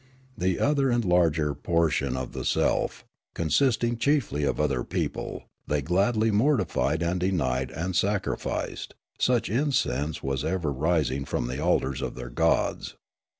The other and larger portion of the self, consisting chiefly of other people, they gladly mortified and denied and sacrificed ; such in cense was ever rising from the altars of their gods.